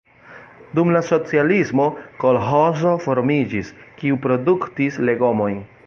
Dum la socialismo kolĥozo formiĝis, kiu produktis legomojn.